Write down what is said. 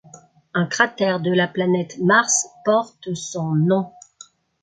Un cratère de la planète Mars porte son nom.